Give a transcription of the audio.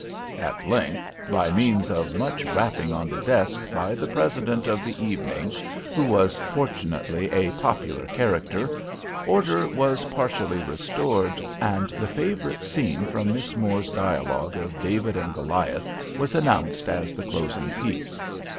At length, by means of much rapping on the desk by the president of the evening, who was fortunately a "popular" character, order was partially restored; and the favorite scene from Miss More's dialogue of David and Goliath was announced as the closing piece.